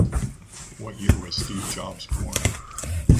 What year was Steve Jobs born?